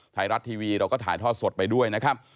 ไทยรัฐทีวีเราก็ถ่ายทอดสดไปด้วยนะครับ